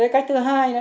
cách thứ hai